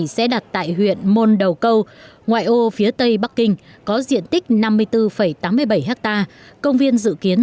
sẽ đặt tại huyện môn đầu câu ngoại ô phía tây bắc kinh có diện tích năm mươi bốn tám mươi bảy ha công viên dự kiến